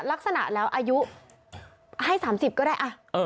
ลักษณะแล้วอายุให้๓๐ก็ได้